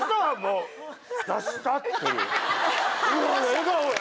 「笑顔や！」